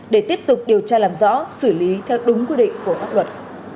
để tiếp tục điều tra làm rõ xử lý theo đúng quy định của pháp luật